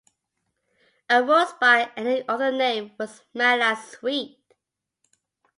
A rose by any other name would smell as sweet